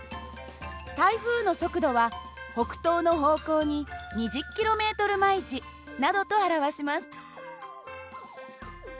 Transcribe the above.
台風の速度は北東の方向に２０ｋｍ／ｈなどと表します。